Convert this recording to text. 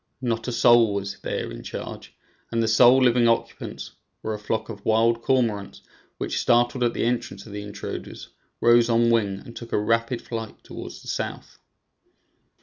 Not a soul was there in charge, and the sole living occupants were a flock of wild cormorants which, startled at the entrance of the intruders, rose on wing, and took a rapid flight towards the south.